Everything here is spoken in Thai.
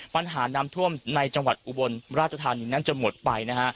ปัญหาน้ำท่วมในจังหวัดอุบลราชธานีนั้นจะหมดไปนะฮะ